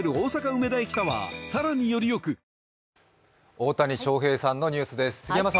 大谷翔平さんのニュースです。